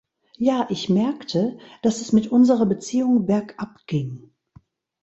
Ja, ich merkte, dass es mit unserer Beziehung Berg ab ging.